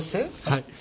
はい。